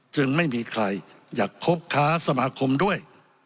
จึงไม่มีใครอยากคบค้าสมาคมด้วย